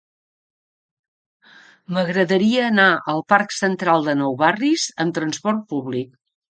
M'agradaria anar al parc Central de Nou Barris amb trasport públic.